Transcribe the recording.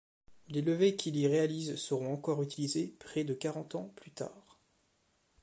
Les levés qu'il y réalise seront encore utilisés près de quarante ans plus tard.